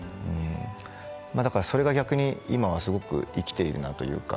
だからそれが逆に今はすごく生きているなと。